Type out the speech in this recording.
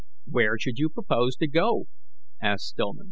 "Where should you propose to go?" asked Stillman.